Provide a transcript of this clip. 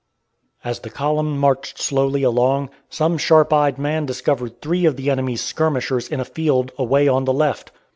As the column marched slowly along, some sharp eyed man discovered three of the enemy's skirmishers in a field away on the left.